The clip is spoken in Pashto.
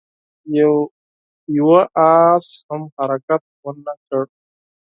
يوه آس هم حرکت ونه کړ.